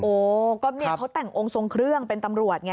โอ้ก็เนี่ยเขาแต่งองค์ทรงเครื่องเป็นตำรวจไง